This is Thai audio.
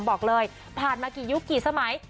บอกเลยผ่านมากี่ยุคกี่สมัย